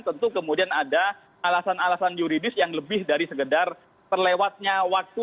tentu kemudian ada alasan alasan yuridis yang lebih dari sekedar terlewatnya waktu